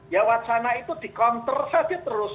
ya wacana itu di counter saja terus